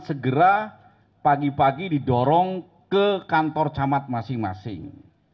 segera pagi pagi didorong ke kantor camat masing masing